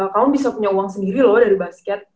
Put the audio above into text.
kamu bisa punya uang sendiri loh dari basket